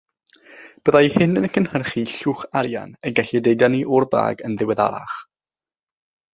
Byddai hyn yn cynhyrchu llwch arian, y gellid ei dynnu o'r bag yn ddiweddarach.